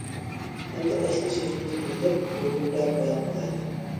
ئەمدى ئەسلى سۆزىمىزگە يېنىپ، بىر-بىرلەپ بايان قىلايلى.